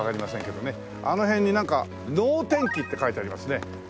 あの辺になんか「のう天気」って書いてありますね。